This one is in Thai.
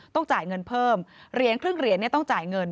ต้องจ่ายเงินเพิ่มเหรียญครึ่งเหรียญต้องจ่ายเงิน